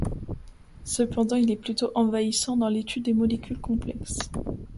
Cependant il est plutôt envahissant dans l'étude de molécules complexes.